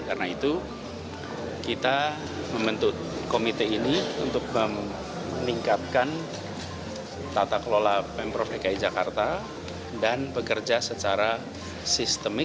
karena itu kita membentuk komite ini untuk meningkatkan tata kelola pemprov dki jakarta dan bekerja secara sistemik dan sistematis